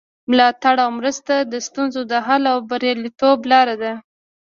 ملاتړ او مرسته د ستونزو د حل او بریالیتوب لاره ده.